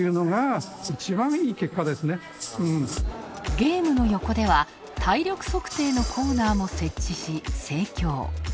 ゲームの横では、体力測定のコーナーも設置し盛況。